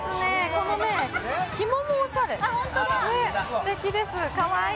このひももおしゃれ、すてきです、かわいい。